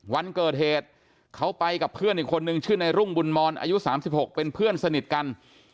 วันเกิดเหตุเขาไปกับเพื่อนอีกคนนึงชื่อในรุ่งบุญมอนอายุ๓๖เป็นเพื่อนสนิทกัน